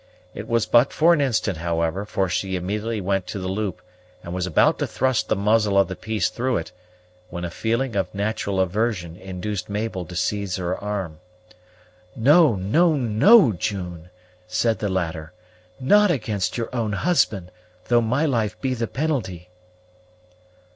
It was but for an instant, however, for she immediately went to the loop, and was about to thrust the muzzle of the piece through it, when a feeling of natural aversion induced Mabel to seize her arm. "No, no, no, June!" said the latter; "not against your own husband, though my life be the penalty."